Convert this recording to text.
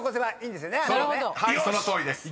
［はいそのとおりです］